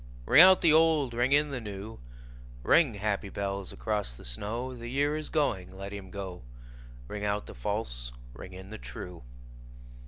Ring out the old, ring in the new, Ring, happy bells, across the snow: The year is going, let him go; Ring out the false, ring in the true.